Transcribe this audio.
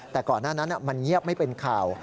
แต่ก่อนหน้านั้นมันเงียบไม่เป็นข่าว